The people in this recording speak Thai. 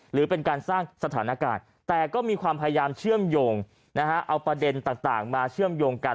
หรือเป็นการสร้างสถานการณ์แต่ก็มีความพยายามเชื่อมโยงเอาประเด็นต่างมาเชื่อมโยงกัน